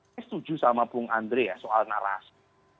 saya setuju sama bung andre ya soal narasi